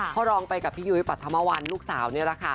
พ่อรองไปกับพี่ยุ้ยปรัฐมวัลลูกสาวนี่แหละค่ะ